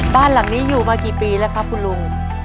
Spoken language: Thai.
บ้านหลังนี้อยู่มากี่ปีแล้วครับคุณลุง